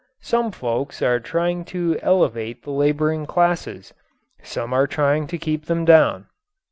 Some folks are trying to elevate the laboring classes; some are trying to keep them down.